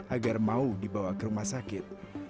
agar mau dibawa ke rumah sakit